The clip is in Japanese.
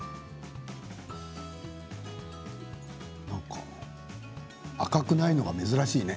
何か赤くないのが珍しいね。